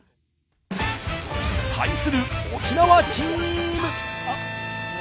対する沖縄チーム！